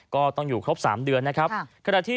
ก็ต้องอยู่ครบ๓เดือนนะครับ